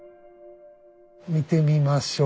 見てみましょう。